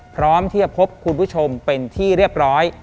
พร้อมที่จะพบคุณผู้ชมเป็นที่เรียบร้อย